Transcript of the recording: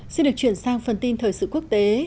xin được chuyển sang phần tin thời sự quốc tế